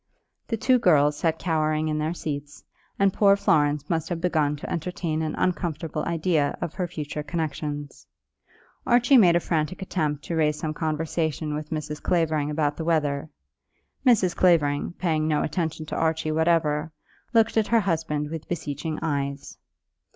The two girls sat cowering in their seats, and poor Florence must have begun to entertain an uncomfortable idea of her future connexions. Archie made a frantic attempt to raise some conversation with Mrs. Clavering about the weather. Mrs. Clavering, paying no attention to Archie whatever, looked at her husband with beseeching eyes.